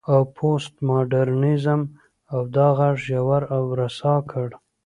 او پوسټ ماډرنيزم دا غږ ژور او رسا کړ.